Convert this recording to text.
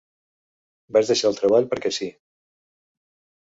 Vaig deixar el treball perquè sí.